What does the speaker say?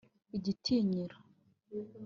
igitinyiro